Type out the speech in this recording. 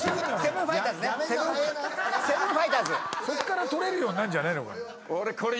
そこから捕れるようになるんじゃねえのかよ。